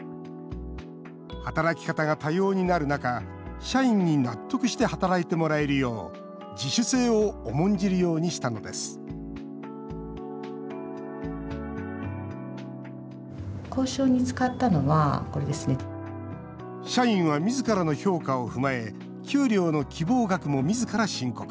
働き方が多様になる中、社員に納得して働いてもらえるよう自主性を重んじるようにしたのです社員は自らの評価を踏まえ給料の希望額も、自ら申告。